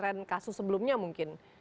trend kasus sebelumnya mungkin